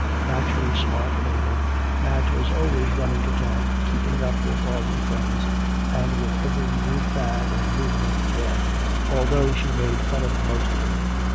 Naturally smart and able, Madge was always running to town, keeping up with all her friends and with every new fad and movement there, although she made fun of most of them.